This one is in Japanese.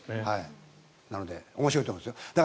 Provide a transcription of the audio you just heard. なので面白いと思いますよ。